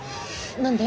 何で？